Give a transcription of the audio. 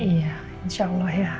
iya insya allah ya